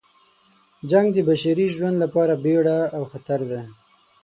جنګ د بشري ژوند لپاره بیړه او خطر ده.